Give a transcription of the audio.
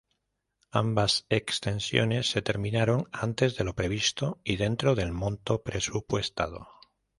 Ambas extensiones se terminaron antes de lo previsto y dentro del monto presupuestado.